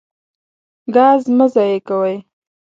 ګاز مه ضایع کوئ.